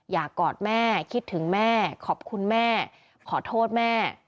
กอดแม่คิดถึงแม่ขอบคุณแม่ขอโทษแม่